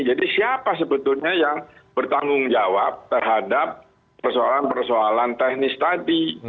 jadi siapa sebetulnya yang bertanggung jawab terhadap persoalan persoalan teknis tadi